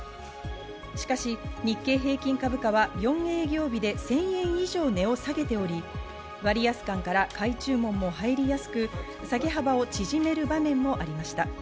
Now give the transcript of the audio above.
しかし日経平均株価は４営業日で１０００円以上、値を下げており、割安感から買い注文も入りやすく、下げ幅を縮める場面もありました。